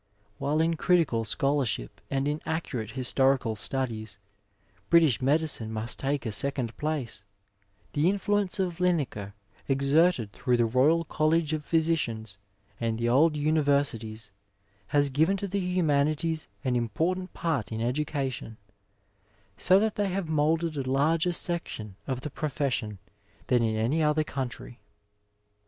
While in critical scholarship and in accurate historical studies, British medicine must take a second place, the influence of Linacre exerted through the Royal College of Physicians and the old Universities, has given to the humanities an important part in education, so that they have moulded a larger section of the profession than in any other country.